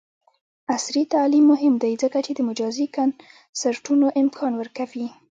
عصري تعلیم مهم دی ځکه چې د مجازی کنسرټونو امکان ورکوي.